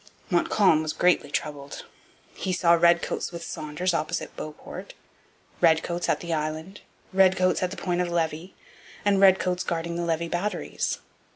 Montcalm was greatly troubled. He saw redcoats with Saunders opposite Beauport, redcoats at the island, redcoats at the Point of Levy, and redcoats guarding the Levis batteries.